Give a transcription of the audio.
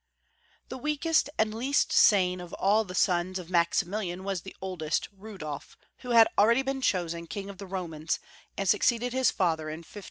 THE weakest and least sane of all the sons ^/ Maximilian was the eldest, Rudolf, who had already been chosen King of the Romans, and suc ceeded his father in 1576.